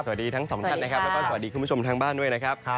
สวัสดีทั้งสองท่านนะครับแล้วก็สวัสดีคุณผู้ชมทางบ้านด้วยนะครับ